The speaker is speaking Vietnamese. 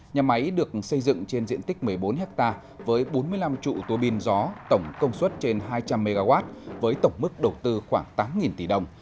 nhà máy được xây dựng trên diện tích một mươi bốn hectare với bốn mươi năm trụ tùa pin gió tổng công suất trên hai trăm linh mw với tổng mức đầu tư khoảng tám tỷ đồng